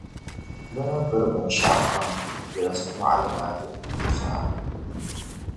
bɛ ni biri binshɛlikam dolisi mɔɣili maa ti kuui zaa.